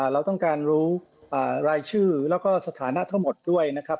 เราต้องการรู้รายชื่อแล้วก็สถานะทั้งหมดด้วยนะครับ